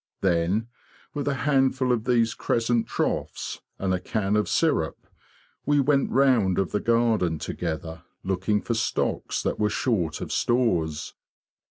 Then, with a handful of these crescent troughs and a can of syrup, we went the round of the garden together looking for stocks that were short of stores.